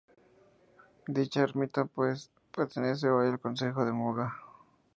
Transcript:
Dicha ermita pues, pertenece hoy al Concejo de Muga.